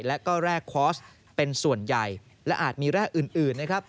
และก็แร่คอร์สเป็นส่วนใหญ่และอาจมีแร่อื่นนะครับ